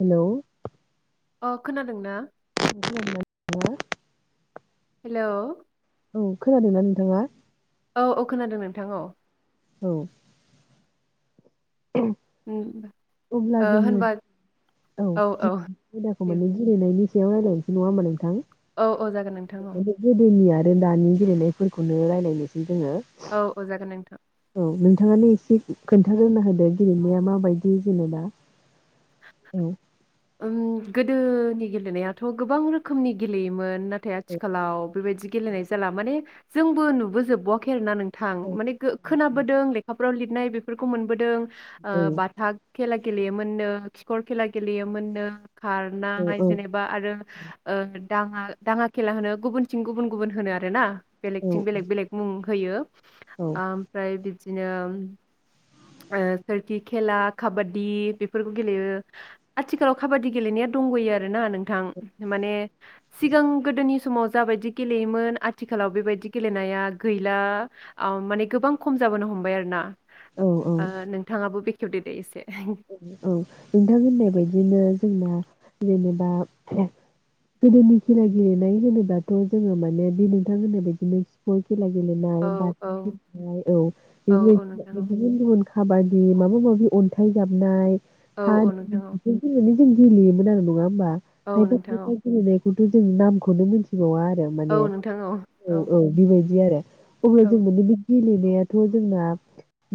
हेल' अ खोनादोंना [unintelligible] हेल' औ खोनादों ना नोंथाङा औ औ खोनादों नोंथां औ औ औ [inaudible] अब्ला ओ जोङो होनबा औ आयदाखौ दे। माने गेलेनायनि ना‌ सायाव‌‌ रायलायनोसै नङा होनबा नोंथां औ औ जागोन नोंथां औ माने गोदोनि आरो दानि गेलेनायफोरखौनो रायजलायनोसै औ औ जागोन नोंथां औ नोंथाङानो एसे खोन्थाग्रोना होदो गेलेनाया माबायदि जेनेबा औ ओम गोदोनि गेलेनायाथ' गोबां रोखोमनि गेलेयोमोन ना नाथाय औ आथिखालाव बेबायदि गेलेनाय जाला माने जोंबो नुबोजोबवाखै आरो ना थां माने खोनाबोदों फ्राव लिरनाय बेफोरखौ मोनबोदों आ औ बाथा खेला गेलेयो मोननो खिखर खेला गेलेयोमोननो खारनाय औ जेनेबा आरो ओ दाङा दाङा खेला होनो गुबुनथिं गुबुन गुबुन होनो आरो ना बेलेगथिं बेलेग बेलेग मुं होयो औ आमफ्राय बि दिनो ओ सोरखि खेला खाबादि बेफोरखौ गेलेयो आथिखालाव खाबादि गेलेनाया दंगयो आरोना नोंथां माने सिगां गोदोनि समाव जाबायदि गेलेयोमोन आथिखालाव बेबायदि गेलेनाया गैला आम माने गोबां खम जाबोनो हमबाय आरो ना औ आ नोंथाङाबो बे खेवदो दे इसे औ नोंथां होननाय बायदिनो जोंना जेनेबा गोदोनि खेला गेलेनाय होनोबाथ' जोङो माने बे नोंथां होन्नाय बादिनो स्पर्टस खेला औ गेलेनाय बाथा औ गेलेनाय औ औ औ नोंथां बेफोरबायदि औ गुबुन गुबुन खाबादि माबा माबि अन्था थाइ जाबनाय औ [inaudible] औ नोंथां औ जों गेलेयोमोन आरो नङा होमबा औ नोंथां औ [inaudible] खौथ' जों नामखौनो मोनथिबावा माने औ औ बेबायदि आरो [inaudible] औ नायाथ' जोंना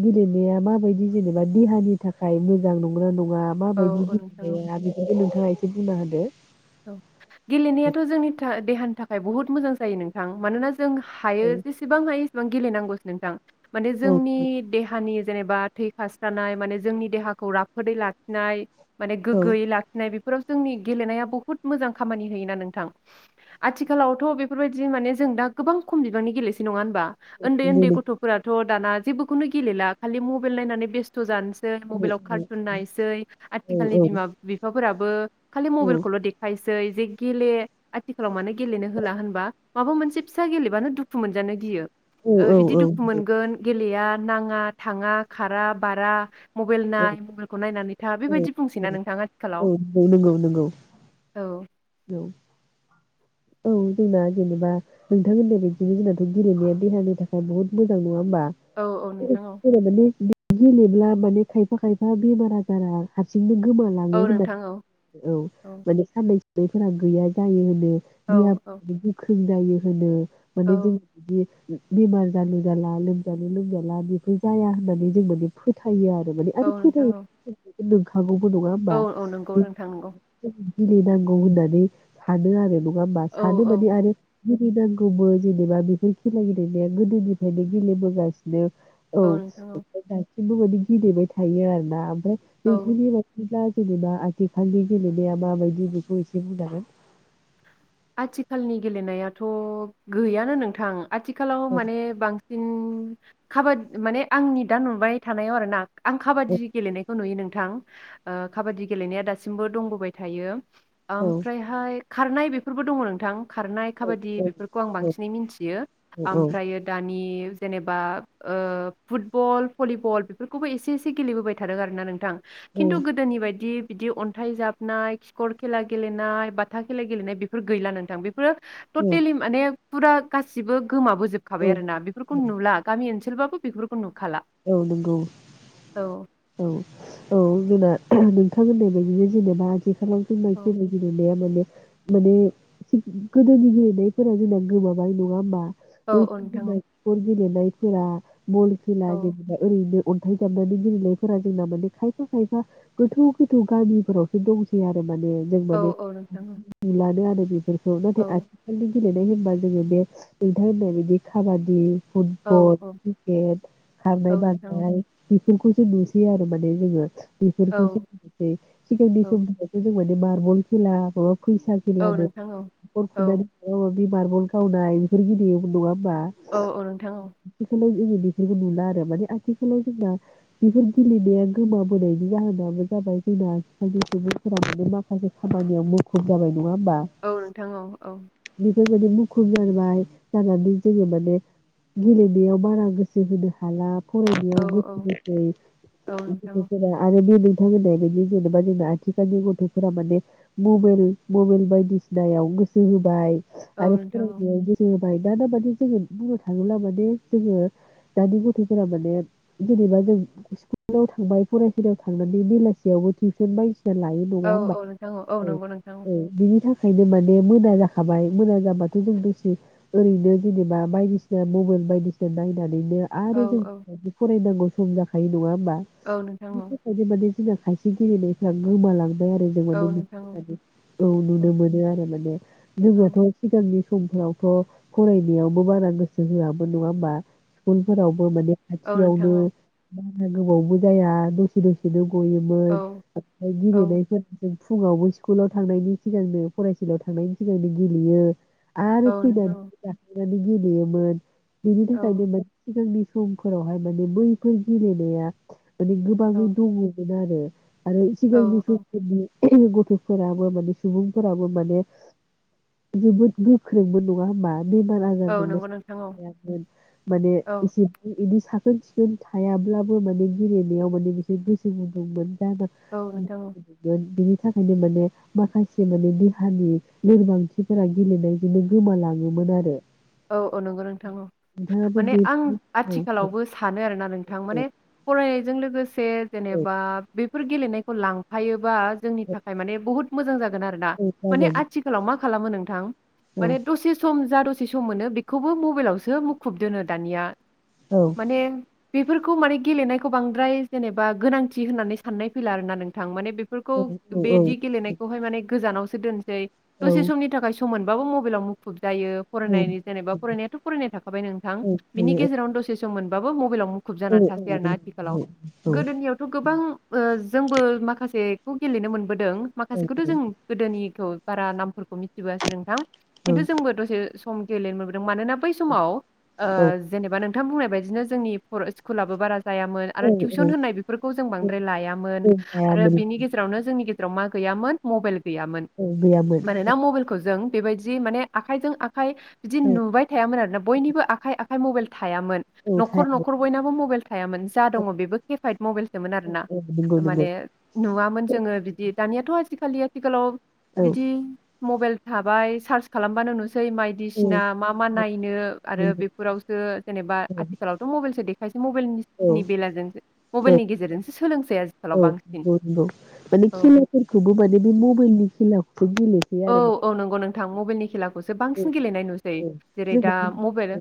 गेलेनाया माबायदि जेनेबा देहानि थाखाय मोजां नंगोना नं आ औ माबायदि औ नोंथां औ [unintelligible] [unintelligible] एसे बुंना होदो औ गेलेनायाथ' जोंनि था देहान थाखाय बुहुत मोजां जायो नोंथां मानोनाज जों हायो औ जेसेबां हायो बां गेलेनांगौसो नोंथां माने औ जोंनि देहानि जेनेबा थै खास्रानाय माने जोंनि देहाखौ राफोदै लाखिनाय माने औ गोग्गोयै लाखिनाय बेफोराव जोंनि गेलेनाया बु बुहुद मोजां खामानि होयोना नोंथां आथिखालावथ' बेफोरबायदि माने जों दा गोबां खम बिबांनि गेलेसै नङा होनबा उन्दै उन्दै गथ'फोराथ' दाना जेबोखौनो गेलेला खालि मबाइल नायनानै बेस्थ' जानोसै सै मबेलाव कारतन नायनोसै आथिखालनि बिमा बिफाफोरा बो खालि मबाइल दे सै जे गेले आथिखालाव माने गेलेनो होला होनबा माबा मोनसे फिसा गेलेबानो दुखु मोनजानो गियो बिदि दुखु मोनगोन गेलेया नाङा थाङा खारा बारा मबाइल नाय मबाइल खौ नायनानै था औ बेबायदि बुंसैना औ नोंथां आथिखालाव औ नंगौ नंगौ नंगौ औ औ औ जोंना जेनेबा नोंथां होननाय बिदिनो जोंनाथ' गेलेनाया देहानि थाखाय बहुत मोजां नङा होमबा औ औ नोंथां औ [unintelligible] गेलेब्ला माने खायफा खायफा बेमार आजारा हारसिंनो औ गोमालाङो नोंथां औ होननानै औ माने सान [inaudible] बेफिनिया गैया जायो होनो औ देहा औ गोख्रों जायो होनो औ माने जोंदि बेमार जालु जाला लोमजानो लोमजाला बेफोर जाया होननानै जों माने फोथायो आरो माने औ आरो नोंथां फै [inaudible] नोंखागौ बो नङा औ होमबा औ नंगौ नोंथां नंगौ गेलेनांगौ होननानै सानो आरो नङा होमबा औ सानो औ माने आरो गेलनांगौबो जेनेबा बेफोर खेला गेलेनाया गोदोनिफ्रायनो गेलेबोगासिनो औ नोंथां औ [unintelligible] बे [unintelligible] थायो आरो ना औ [unintelligible] जेनेबा आथिखालनि गेलेनाया माबायदि बेखौ एसे बुंनांगोन आथिखालनि गेलेनायाथ' गैयानो नोंथां आथिखालाव माने बांसिन काबादि माने आंनि दा नुबाय थानायाव आरो ना आं काबादि गेलेनायखौ नुयो नुदों गोथां ओ काबादि गेलेनाया दासिमबो दंबोबाय थायो औ ओमफ्रायहाय खारनाय बे फोरफोरबो दङ नोंथां खारनाय खाबादि औ बेफोरखौ आं बांसिनै मोनथियो औ ओमफ्रायो दानि जेनेबा ओ फुटबल भलिबल बेफोरखौबो एसे एसे गेलेबोबाय थादों आरोना नोंथां खिन्थु गोदोनि बायदि बिदि अन्थाइ जाबनाय खिखर खेला गेलेनाय बाथा खेला गेलेनाय बे बेफोर गैला नोंथां बेफोरो औ टटेलि माने फुरा गासिबो गोमा बोजोबखाबाय औ आरो ना बेफोरखौ नुला गामि ओनसो [unintelligible] बेफोरखौनो औ नंगौ औ औ बिना नोंथां होननाय बादिनो जेनेबा औ [unintelligible] माने गोदोनि गेलेनायफोरा जोंना गोमाबाय नङा होमबा औ औ नोंथां औ [unintelligible] गेलेनायफोरा बल खेला गेले ओरैनो अन्थाइ जाबनानै गेलेनायफोरा जोंना माने खायफा खायफा गोथौ गोथौ गामिफोरावसो दंसै आरो माने जों औ माने औ नोंथां नुलानो आरो नाथाय औ आथिखालनि गेलेनाय होनबा जोङो बे नोंथां होननाय बादि काबादि औ फुटबल क्रिकेट औ नोंथां औ [unintelligible] बेफोरखौसो नुसै आरो माने जोङो बिफोरखौसो औ [unintelligible] सिगांनि समनि [unintelligible] मारबल खेला फैसा औ खेला नोंथां औ नो औ [unintelligible] मारबल गावनाय बेफोर [unintelligible] नङा होमबा औ औ नोंथां औ दिनै बेफोरखौ नुला‌ आरो माने आथिखालाव जोंना बेफोर गेलेनाया गोमाबोनायनि जाहोनाबो जाबाय जोंना खायसे सुबुंफोरा माखासे खामानियाव मुखुब जाबाय नङा औ नोंथां औ औ बेबायदि मुखुब जाहैबाय जानानै जोङो माने गेलेनायाव बारा गोसो होनो हाला औ फरायनायाव गोसो औ नोंथां औ होसै [unintelligible] आरो बे खोथा होनाय बिदि जेनेबा जोंना आथिखालनि गथ'फोरा माने मबाइल मबाइेल बायदिसिनायाव गोसो होबाय आरो औ [unintelligible] नोंथां औ ओमफ्राय दा दा माने जोङो बुंनो थाङोब्ला माने जोङो। दानि गथ'फोरा माने जेनेबा जों स्कुलाव थांबाय फरायसालियाव थांनानै बेलासियावबो टिउसन बायदि लायो नङा औ होनबा औ नोंथां औ नंगौ नोंथां औ बिनि थाखाय ओंखायनो माने मोना जाखाबाय मोना जाबाथ' जों दसे ओरैनो जेनेबा बायदिसिना मबाइल बायदिसिना नायनानैनो औ आरो जों फरायनांगौ। सम जाखायो नङा। औ नोंथां औ बेफोर बायदि माने खायसे गेलेनायफ्रा गोमालां औ औ नोंथां औ औ नुनो मोनो आरो माने औ जोंनाथ' सिगांनि समफ्रावथ' फरायनायावबो बारा गोसो होआमोन नङा होमबा। स्कुल फोराव माने औ नोंथां खाथियावनो औ गोबावबो जाया दसे दसेनो गयोमोन औ ओमफ्राय औ गेलेनायफोर फुङावबो स्कुलाव थांनायनि सिगांनो फरायसालियाव थांनायनि सिगांनो गेलेयो औ आरो नोंथां औ फैनानै जानो गेलेयोमोन बिनि थाखायनो माने जोंनि समफोरावहाय माने बैफोर गेलेनाया माने औ गोबाङै दङमोन आरो। [inaudible] आरो औ सिगांनि औ समफोरनि गथ'फोराबो माने सुबुंफोराबो माने जोबोद गोख्रोंबो नङा होमबा? बेमार औ आजारजोंबो नंगौ नोंथां औ थायामोन माने औ बिदि साखोन सिखोन थायाब्लाबो माने गेलेनायाव माने बिसोर गोसो गुदुंमोन। औ नोंथां औ [unintelligible] बिनि थाखायनो माने माखासे माने देहानि लोरबांथिफोरा गेलेनायजोंनो गोमालाङोमोन आरो औ औ नंगौ नोंथां नोंथाङाबो माने बे आं औ औ आथिखालावबो सानो आरोना नोंथां माने फरायनायजों लोगोसे जेनेबा बेफोर गेलेनायखौ लांफायो। बा जोंनि थाखाय माने बुहुत मोजां जागोन आरोना औ माने आथिखालाव मा खालामो नोंथां माने दसे सम [unintelligible] ससे सम मोनो बेखौबो मबाइलावसो मुखुब दोनो दानिया औ जागोन औ माने बेफोरखौ माने गेलेनायखौ बांद्राय जेनेबा गोनांथि होननानै साननाय फैला आर ना नोंथां माने बेफोरखौ औ औ बेदि गेलेनायखौहाय माने गोजानाव दोन औ दसे समनि थाखाय सम मोन बाबो मबाइलाव मुुखुब जायो औ फरायनायनि जेनेबा फरायनायाथ' फरायनाय थाखाबाय नोंथां औ बिनि हायो औ गेजेरावनो दसे सम मोनबासो मबाइलाव मुखुब औ जानानै थासै आरोना औ आथिखालाव औ गोदोनियावथ' गोबां ओ जोंबो माखासे गेलेनो मोन मोनबोदों माखासेखौथ' जों गोदोनिखौ बारा नाम मिथिबोसै नोंथां खिन्थु जोंबो दसे खम गेलेनो मोनबोदों मानोना बै समाव ओ औ औ जेनेबा नों नोंथां बुंनाय बायदिनो जोंनि फरा स्कुलाबो बारा लामामोन आरो औ तिबसन होनाय बेफोरखौ जों औ बारा लायामोन आरो थायामोन बेनि गेजेरावनो जोंनि गेजेराव मा गैयामोन मबाइल गैयामोन औ गैयामोन मानोना मबाइलखौ जों बेबायदि माने आखाइजों आ आखाइ बिदि औ नुबाय थायामोन आरो ना बयनिबो आखाइ आखा खाइ मबेल थायामोन औ न'खर थायामोन न'खर बयनाबो मबाइल थायामोन जा औ दङ बेबो केपाइद मबाइलसोमोन आरोना औ नंगौ नंगौ माने नुवामोन जोङो बिदि दानियाथ' आजिखा खालि आथिखालाव औ बिदि मबाइल थाबाय सार्च खालामबा नुस सै औ मायदिसिना मा मा नायनो आरो नंगौ बेफोरावसो जेनेबा औ आथिखालावथ' मबाइलसो देखायनोसै औ मबाइलनि बेलाजोंसो औ मबाइलनि गेजेरजोंसो सोलोंसै आथिखालाव औ बांसिन नंगौ नंगौ माने औ बेखौ गेलेसै आरोना थां मबाइलनि खेला बांसिन गेलेनाय नुसै औ जेरै जों दा मबेल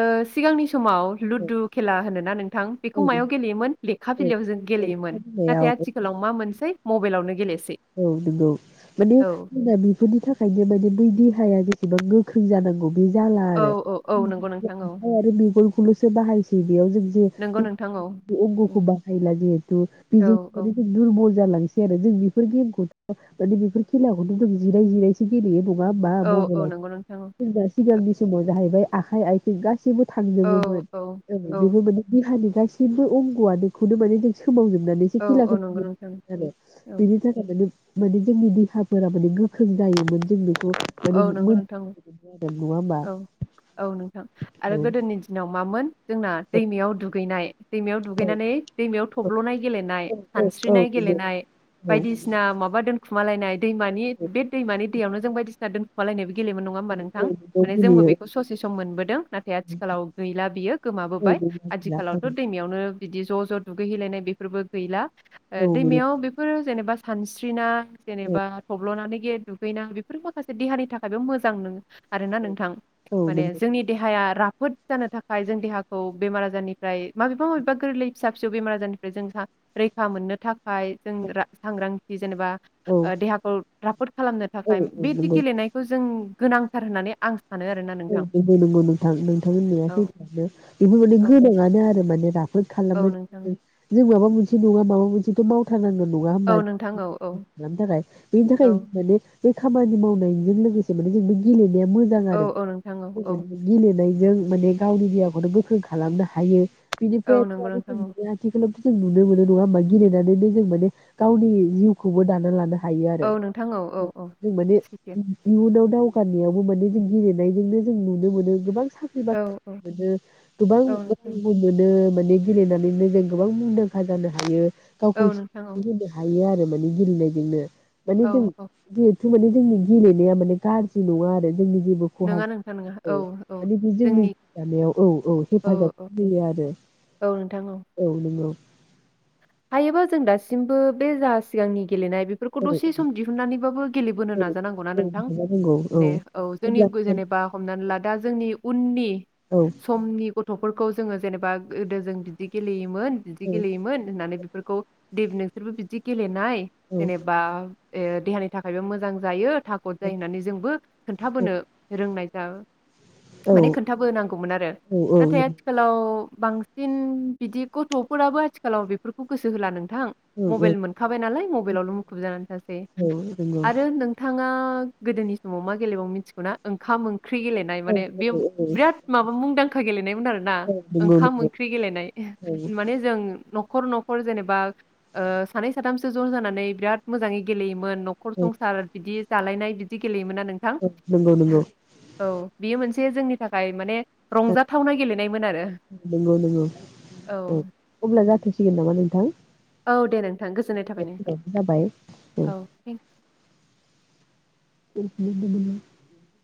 ओ सिगांनि समाव औ लुदु खेला होनोना नोंथां बेखौ औ मायाव गेलेयोमोन लेखा औ बिलाइयाव जों औ लेखा गेलेयोमोन बिलाइयाव नाथाय आथिखालाव मा मोनसेै मबाइलावनो गेले औ नंगौ माने जोंना बि बेफोरनि थाखायनो माने बै देहाया बेसेबां गोख्रों जानांगौ बिदि जाला औ आरो औ औ नंगौ नोंथां औ आखाय आरो मेगनखौल'सो बाहायसै बेयाव जों जे नंगौ नोंथां औ अंगखौ उम बाहायला जिहेथु औ बेजों औ माने दुरबल जालांसै जेरै बि बेफोर गेम खौथ' माने बेफोर खेलाखौथ' जों जिराय जिरायसो गेलेयो नं नङा होमबा औ औ मबाइलआवथ' नंगौ नोंथां औ जेनेबा सिगांनि समाव जाहैबाय आखाइ आइथिं गासैबो गासैबो थांजोबोमोन औ बेबो माने देहानि गासिबो अंगंआनोखौनो माने जों सो सोमाव जोबनानैसो औ औ खेलाखौ नंगौ नोंथां गेलेयो औ मोन आरो नानै माने जोंनि देहाफोरा माने गोख्रों जायोमोन दिनै औ नंगौ नोंथां औ होमबा औ औ नोंथां औ आरो गोदोनि दिनाव मामोन जोंना दैमायाव दुगैनाय दैमायाव औ दुगैनानै दैमायाव औ थब्ल'नाय गेलेनाय औ औ सानस्रिनाय गेलेनाय बायदिसिना माब थाखुमा लायनाय दैमानि बे दैमानि दैयावनो जों बायदि [unintelligible] गेलेमोन नङा होमबा नोंथां औ माने जोंबो गेलेयो बेखौ ससे सम मोनबोदों नाथाय आथिखालाव गैला बियो औ गोमाबोबाय गैला आथिखालावथ' दैमायावनो बिदि ज' ज' दुगैहैेलायनाय बेफोरबो गैला औ ओ गैला दैमायाव बेफोर जेनेबा सानस्रिना औ जेनेबा थब्ल'नानै ये दुगैनां बेफोर माखासे देहानि थाखायबो मोजां नों आरोना नोंथां औ माने नंगौ जोंनि देहाया राफ फोद जानो थाखाय जों देहाखौ बेमार आजारनिफ्राय माबेबा माबेबा गोरलै फिसा फिसौ बेमार आजारनिफ्राय जों रैखा मोननो था खाय जों रा सांग्रां जेनेबा औ ओ देहाखौ राफोद खालामनो औ थाखाय नंगौ बैदि लेनायखौ जों गोनांथार होननानै आं सानो आरोना नोंथां औ औ [unintelligible] [unintelligible] [unintelligible] औ नोंथां नङा माबा मोनसेथ' मावथारनांगोन नङा होमबा औ नोंथां औ औ [unintelligible] थाखाय बेनि थाखाय औ माने बे खामानि मावनायजों लोगोसे माने जोंबो गेलेनो [inaudible] औ आरो औ नोंथां औ औ [unintelligible] जों माने गावनि देहाखौनो गोख्रों खालामनो हायो बिनिफ्राय औ [unintelligible] नंगौ जों नोंथां औ नुनो मोनो नङा होमबा गेलेनानैनो जों माने गावनि जिउखौबो दाना लाना हायो आरो औ नोंथां औ औ औ जों माने सैथो इयुनाव दाव [unintelligible] नायजोंनो जों नुनो मोनो गोबां साख्रि औ औ बाख्रि मोनो गोबां औ नोंथां रांबो मोनो माने गेलेनानैनो जों गोबां मुंदांखा जानो हायो गावखौ औ नोंथां औ सिनायथि होनो हायो आरो मान [unintelligible] मानि औ जों औ जिहेथु माने जोंनि गेलेनाया माने गाज्रि नङा आरो जोंनि गे खहा नङा नोंथां नङा औ औ माने बे जोंनि जानायाव औ औ हेफाजाब होयो आरो औ नोंथां औ नोंगौ हायोबा जों दासिमबो बे जा सिगांनि गेलेनाय बेफोरखौ दसे सम दिहुननानैबाबो गेलेबोनो औ नाजानांगौना औ नोंथां नाजानांगौ माने औ जोंनि अब्ला जेनेबा हमनानै ला दा जोंनि उननि औ समनि गथ' फोरखौ जोङो जेनेबा गोदो जों बिदि गेलेयोमोन बिदि औ गेलेयोमोन होननानै बेफोरखौे दे नोंसोरबो बिदि गेले नाय औ जेनेबा देहानि थाखायबो मोजां जायो थागद जायो होननानै जोंबो खोन्थाबोनो रोंनाय [inaudible] माने खोन्थाबोनांगौमोन आरो औ नाथाय आथिखालाव बांसिन बिदि गथ'फोराबो आथिखालाव बेफोरबायदि फोरखौ गोसोहोला नोंथां औ औ मबाइल मोनखाबाय नालाय मबाइलावल' मुखुब जानानै थासै औ नंगौ आरो नोंथाङा गोदोनि समाव मा गेलेबावो मिथिगौना ओंखाम ओंख्रि ओंख्रि गेलेनाय औ माने औ बे औ बिराद माबा मुंदांखा गेलेनायमोन आरोना औ नंगौ ओंखाम नंगौ ओंख्रि गेलेनाय औ माने जों न'खर न'खर जेनेबा सानै साथामसो ज' जानानै बिराद मोजाङै गेलेयोमोन मोन न'खर औ संसार बिदि जालायनाय बिदि गेलेयोमोन नोंथां नंगौ नंगौ औ बियो मोनसे जे जोंनि थाखाय माने रंजाथावना गेलेनायमोन आरो नंगौ औ नंगौ अब्ला जाथ'सिगोन नामा नोंथां औ दे नोंथां गोजोननाय थाबाय समाबो जाबाय नोंथां औ थेंकिउ [unintelligible]